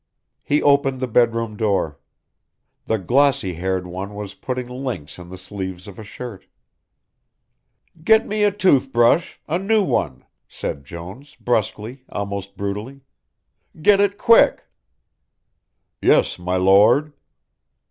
He, opened the bed room door. The glossy haired one was putting links in the sleeves of a shirt. "Get me a tooth brush a new one," said Jones, brusquely, almost brutally. "Get it quick." "Yes, my Lord."